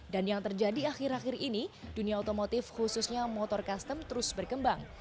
dan yang terjadi akhir akhir ini dunia otomotif khususnya motor custom terus berkembang